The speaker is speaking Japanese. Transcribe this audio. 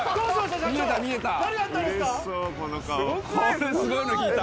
社長、これすごいの引いた。